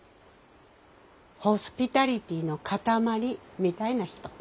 ホスピタリティーの塊みたいな人。